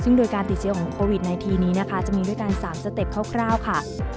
ซึ่งโดยการติดเชื้อของโควิด๑๙นี้นะคะจะมีด้วยกัน๓สเต็ปคร่าวค่ะ